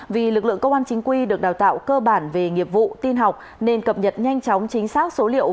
vì lực lượng công an chính quy được đào tạo cơ bản về nghiệp vụ tin học nên cập nhật nhanh chóng chính xác số liệu